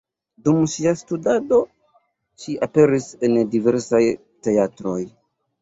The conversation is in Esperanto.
Dum ŝia studado ŝi aperis en diversaj teatroj.